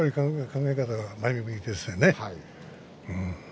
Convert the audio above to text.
考え方が前向きですよね。